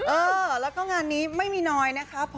เออแล้วก็งานนี้ไม่มีน้อยนะคะ